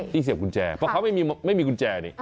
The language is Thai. เสียบกุญแจเพราะเขาไม่มีกุญแจนี่